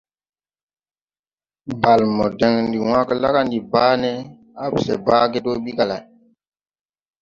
Bale mo deŋ ndi wãã ge la ga ndi baa ne, se baa ge do ɓi ga lay.